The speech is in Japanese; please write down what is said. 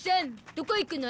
どこ行くの？